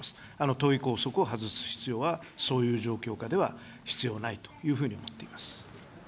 党議拘束を外す必要は、そういう状況下では必要ないというふうに思っています。